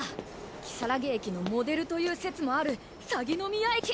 きさらぎ駅のモデルという説もあるさぎの宮駅！